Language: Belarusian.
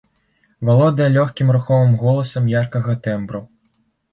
Валодае лёгкім рухомым голасам яркага тэмбру.